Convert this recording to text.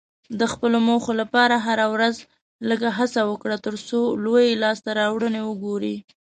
د خپلو موخو لپاره هره ورځ لږه هڅه وکړه، ترڅو لویې لاسته راوړنې وګورې.